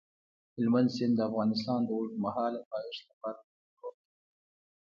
هلمند سیند د افغانستان د اوږدمهاله پایښت لپاره مهم رول لري.